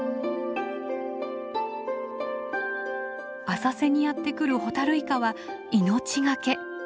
浅瀬にやって来るホタルイカは命懸け。